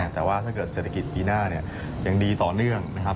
แต่ว่าถ้าเกิดเศรษฐกิจปีหน้ายังดีต่อเนื่องนะครับ